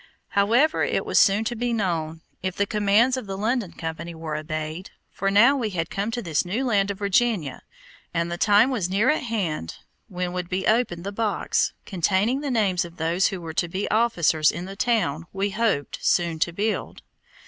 However, it was soon to be known, if the commands of the London Company were obeyed, for now we had come to this new land of Virginia, and the time was near at hand when would be opened the box containing the names of those who were to be officers in the town we hoped soon to build.